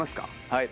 はい。